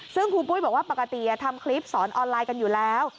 ซึ่งครูปุ้ยบอกว่าปกติทำคลิปสอนออนไลน์กันอยู่แล้ว